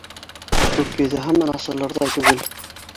Күк йөҙө һаман асылырҙай түгел